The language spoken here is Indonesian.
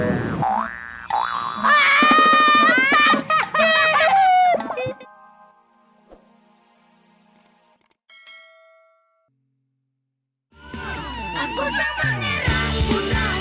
ah kelamaan lo